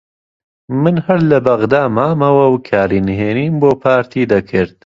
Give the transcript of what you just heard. من هەر لە بەغدا مامەوە و کاری نهێنیم بۆ پارتی دەکرد